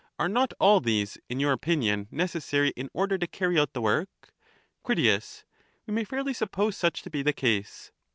— are not all these, in your opinion, necessary in order to earn* out the work? Crit. We may fairly suppose such to be the case.